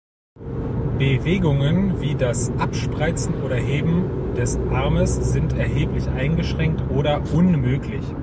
Bewegungen wie das Abspreizen oder Heben des Armes sind erheblich eingeschränkt oder unmöglich.